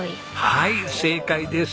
はい正解です。